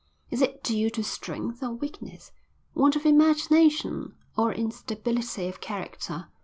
Is it due to strength or weakness, want of imagination or instability of character?